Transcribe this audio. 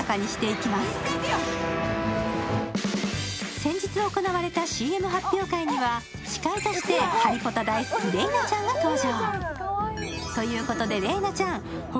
先日行われたＣＭ発表会には司会としてハリポタ大好き・麗奈ちゃんが登場